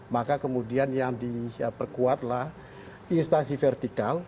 maka kemudian yang diperkuatlah instansi vertikal